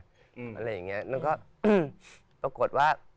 อะไรอย่างนี้แล้วก็ปรากฏว่า